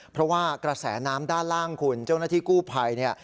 เพราะว่ากระแสน้ำด้านล่างคุณเจ้าหน้าที่กู้ภัยเนี่ย